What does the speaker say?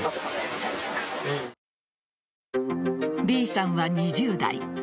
Ｂさんは２０代。